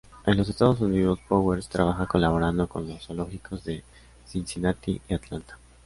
En los Estados Unidos, Powers trabaja colaborando con los zoológicos de Cincinnati y Atlanta.